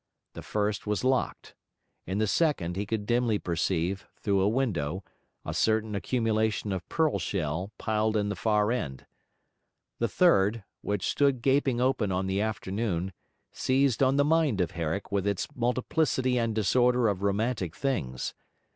The first was locked; in the second, he could dimly perceive, through a window, a certain accumulation of pearl shell piled in the far end; the third, which stood gaping open on the afternoon, seized on the mind of Herrick with its multiplicity and disorder of romantic things.